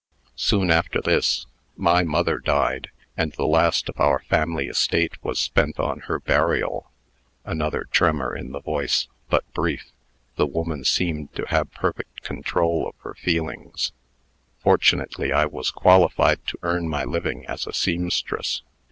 "Soon after this, my mother died, and the last of our family estate was spent on her burial." (Another tremor in the voice, but brief. The woman seemed to have perfect control of her feelings.) "Fortunately, I was qualified to earn my living as a seamstress.